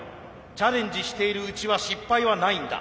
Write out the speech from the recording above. チャレンジしているうちは失敗はないんだ。